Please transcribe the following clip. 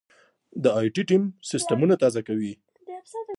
دا ائ ټي ټیم سیستمونه تازه کوي.